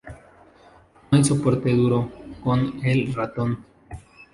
No hay soporte duro-con-el-ratón.